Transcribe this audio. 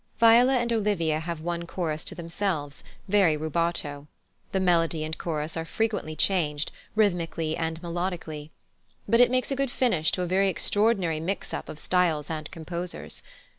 Viola and Olivia have one chorus to themselves, very rubato. The melody and chorus are frequently changed, rhythmically and melodically, but it makes a good finish to a very extraordinary mix up of styles and composers.